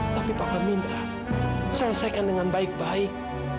tapi papa minta selesaikan dengan baik baik